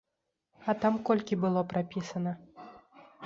А там колькі было прапісана?